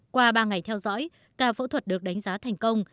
qua ba ngày theo dõi ca phẫu thuật được đánh giá thành công